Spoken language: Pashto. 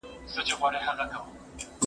کېدای سي انځور تاريک وي؟